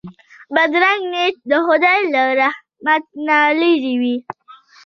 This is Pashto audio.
بدرنګه نیت د خدای له رحم نه لیرې وي